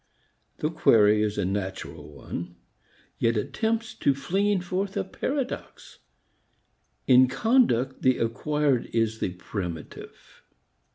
The query is a natural one, yet it tempts to flinging forth a paradox. In conduct the acquired is the primitive.